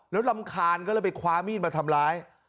แล้วรำคาญก็เลยไปคว้ามีดมาทำร้าย